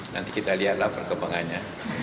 nanti kita lihatlah perkembangannya